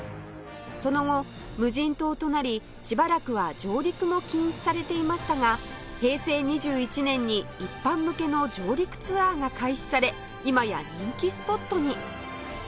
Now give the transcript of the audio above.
その後無人島となりしばらくは上陸も禁止されていましたが平成２１年に一般向けの上陸ツアーが開始され今や人気スポットに